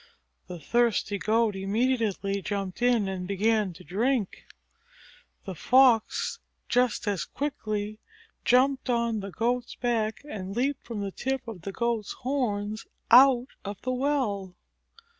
The thirsty Goat immediately jumped in and began to drink. The Fox just as quickly jumped on the Goat's back and leaped from the tip of the Goat's horns out of the well.